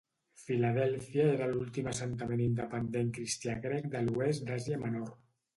Filadèlfia era l'últim assentament independent cristià grec de l'oest d'Àsia Menor.